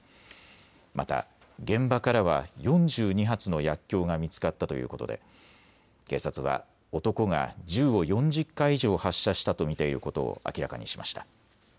また現場からは４２発の薬きょうが見つかったということで警察は男が銃を４０回以上発射したと見ていることを明らかにしました。